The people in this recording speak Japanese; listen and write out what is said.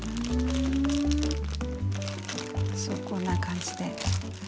そうこんな感じで。